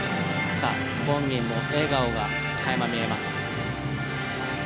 さあ本人も笑顔が垣間見えます。